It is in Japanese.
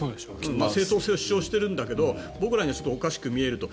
正当性を主張しているんだけど僕らにはおかしく見えると。